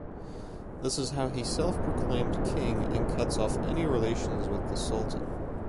This is how he self proclaimed king, and cuts off any relations with the sultan.